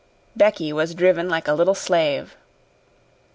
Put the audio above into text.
Becky was driven like a little slave.